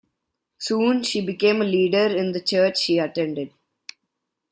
Soon, she became a leader in the church she attended.